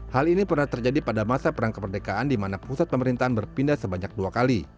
hal ini pernah terjadi pada masa perang kemerdekaan di mana pusat pemerintahan berpindah sebanyak dua kali